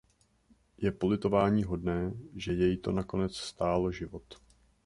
Je politováníhodné, že jej to nakonec stálo život.